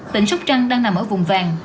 tỉnh sóc trăng đang nằm ở vùng vàng